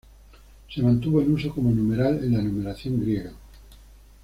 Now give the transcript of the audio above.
Se mantuvo en uso como numeral en la numeración griega.